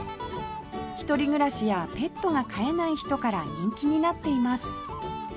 １人暮らしやペットが飼えない人から人気になっています